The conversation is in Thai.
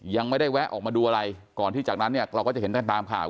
ยังไม่ได้แวะออกมาดูอะไรก่อนที่จากนั้นเนี่ยเราก็จะเห็นตามข่าว